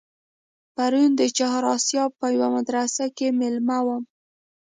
پرون د چهار آسیاب په یوه مدرسه کې مېلمه وم.